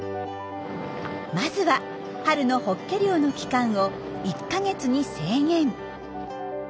まずは春のホッケ漁の期間を１か月に制限。